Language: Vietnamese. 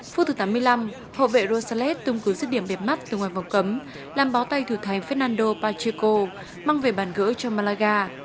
phút thứ tám mươi năm hộ vệ rosales tung cứu giết điểm đẹp mắt từ ngoài vòng cấm làm bó tay thủ thái fernando pacheco mang về bàn gỡ cho malaga